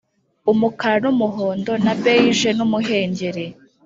umukara n'umuhondo na beige n'umuhengeri,